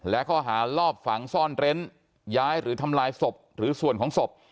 และข้อหาลอบฝังซ่อนเร้นย้ายหรือทำลายศพหรือส่วนของศพ